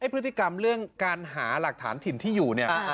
พฤติกรรมเรื่องการหาหลักฐานถิ่นที่อยู่เนี่ย